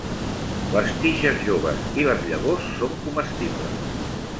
Les tiges joves i les llavors són comestibles.